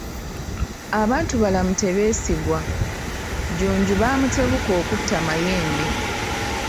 Abantu balamu tebeesigwa, Jjunju baamutebuka okutta Mayembe.